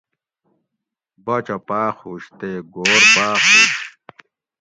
باچہ پاخ ہوش تے گھور پاۤخ ہوُش